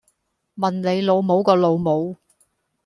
問你老母個老母